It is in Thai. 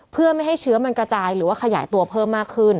เพื่อไม่ให้เชื้อมันกระจายหรือว่าขยายตัวเพิ่มมากขึ้น